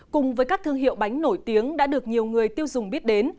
cùng với các thương hiệu bánh nổi tiếng đã được nhiều người tiêu dùng biết đến